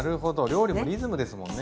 料理もリズムですもんね。